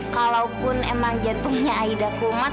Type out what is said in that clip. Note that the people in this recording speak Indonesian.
kalaupun emang jantungnya aida kuman